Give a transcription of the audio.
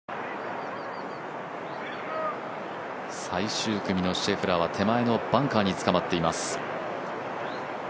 最終組のシェフラーは手前のバンカーに捕まっています。